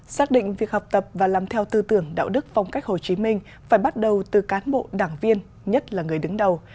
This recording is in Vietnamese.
xác định việc học tập và làm theo tư tưởng đạo đức phong cách hồ chí minh phải bắt đầu từ cán bộ đảng viên nhất là người đứng đầu